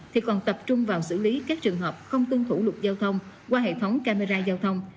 thì còn tập trung vào xử lý các trường hợp không tuân thủ luật giao thông qua hệ thống camera giao thông